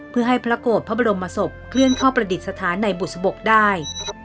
เพื่อให้พระโกรธพระบรมศพเคลื่อนเข้าประดิษฐานในบุษบกได้